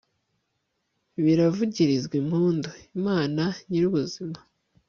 biravugiriza impundu, imana nyir'ubuzima